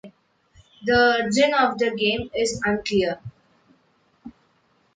The origin of this game is unclear.